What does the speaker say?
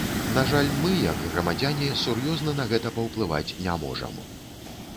На жаль, мы як грамадзяне, сур'ёзна на гэта паўплываць не можам.